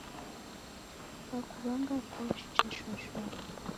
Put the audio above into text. Nikakuw'anga kocha shwashwa